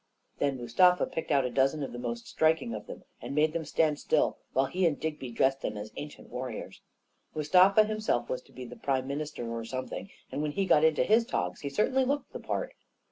Then Mustafa picked out a dozen of the most striking of them, and made them stand still while he and Digby dressed them as ancient warriors. Mustafa him self was to be prime minister or something, and when he got into his togs he certainly looked the part.